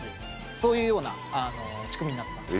そういうような仕組みになってます。